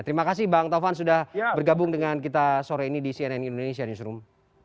terima kasih bang taufan sudah bergabung dengan kita sore ini di cnn indonesia newsroom